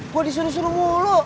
gue disuruh suruh mulu